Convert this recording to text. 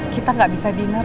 kita gak bisa menikmati